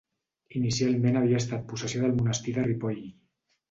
Inicialment havia estat possessió del monestir de Ripoll.